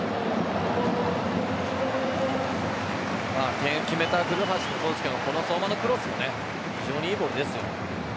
点を決めた古橋もそうですがこの相馬のクロスも非常に良いボールです。